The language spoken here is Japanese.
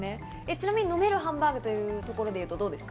ちなみに飲めるハンバーグというところで、どうですか？